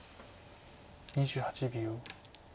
２８秒。